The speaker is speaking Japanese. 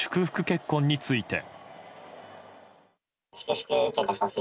結婚について。